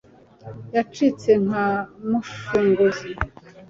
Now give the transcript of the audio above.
yacitse nka mushunguzi